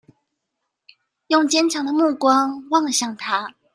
用堅強的目光望向他